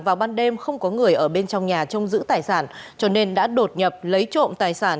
vào ban đêm không có người ở bên trong nhà trông giữ tài sản cho nên đã đột nhập lấy trộm tài sản